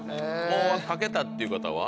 もう書けたっていう方は？